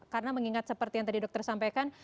karena mengingat seperti yang dokter sampaikan